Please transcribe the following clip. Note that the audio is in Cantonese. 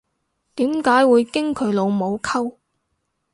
點解會經佢老母溝